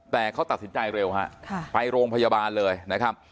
แต่เขาตัดสินใจเร็วฮะไปโรงพยาบาลเลยนะครับ